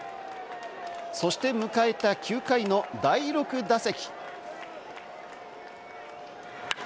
そして迎えた９回の第６打席。